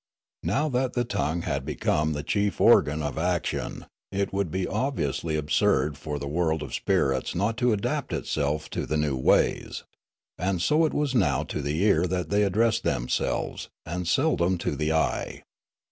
Now that the tongue had be come the chief organ of action, it would be obviously absurd for the world of spirits not to adapt itself 334 Riallaro to the new waj's; and so it was now to the ear that they addressed themselves, and seldom to the eye.